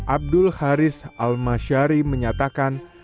abdul haris alma syari menyatakan